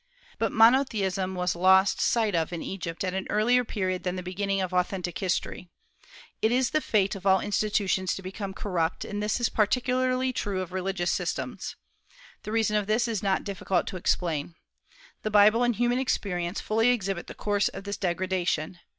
But monotheism was lost sight of in Egypt at an earlier period than the beginning of authentic history. It is the fate of all institutions to become corrupt, and this is particularly true of religious systems. The reason of this is not difficult to explain. The Bible and human experience fully exhibit the course of this degradation.